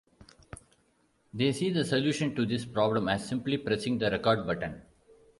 They see the solution to this problem as simply pressing the "Record" button.